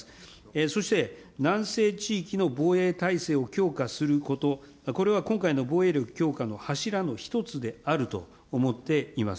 そして南西地域の防衛体制を強化すること、これは今回の防衛力強化の柱の一つであると思っています。